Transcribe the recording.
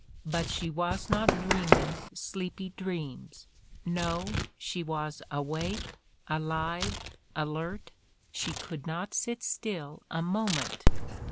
But she was not dreaming sleepy dreams, — no, she was awake, alive, alert, she could not sit still a moment.